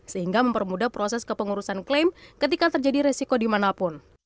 sehingga mempermudah proses kepengurusan klaim ketika terjadi resiko dimanapun